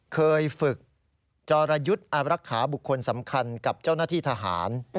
เคยฝึกจรยุทธ์อารักษาบุคคลสำคัญกับเจ้าหน้าที่ทหาร